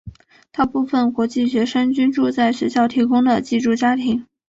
大部分国际学生均住在学校提供的寄住家庭。